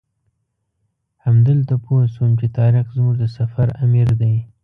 همدلته پوی شوم چې طارق زموږ د سفر امیر دی.